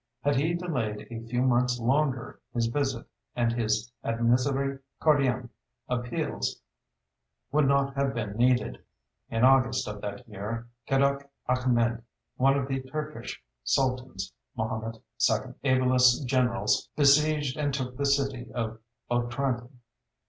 Had he delayed a few months longer, his visit and his ad miseri cordiam appeals would not have been needed. In August of that year Keduk Achmed, one of the Turkish Sultan's (Mahomet II) ablest generals, besieged and took the city of Otranto.